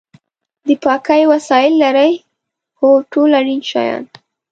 د پاکۍ وسایل لرئ؟ هو، ټول اړین شیان